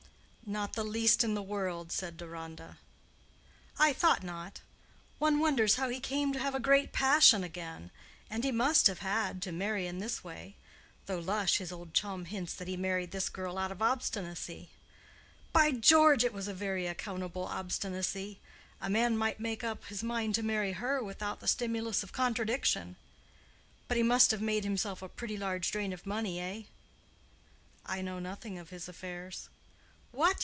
"Not the least in the world," said Deronda. "I thought not. One wonders how he came to have a great passion again; and he must have had—to marry in this way. Though Lush, his old chum, hints that he married this girl out of obstinacy. By George! it was a very accountable obstinacy. A man might make up his mind to marry her without the stimulus of contradiction. But he must have made himself a pretty large drain of money, eh?" "I know nothing of his affairs." "What!